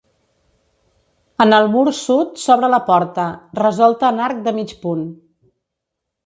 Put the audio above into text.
En el mur sud s'obre la porta, resolta en arc de mig punt.